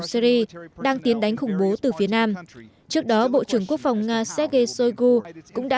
syri đang tiến đánh khủng bố từ phía nam trước đó bộ trưởng quốc phòng nga sergei shoigu cũng đã